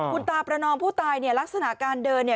คุณตาประนองผู้ตายลักษณะการเดิน